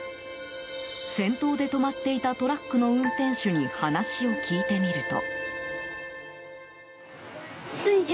先頭で止まっていたトラックの運転手に話を聞いてみると。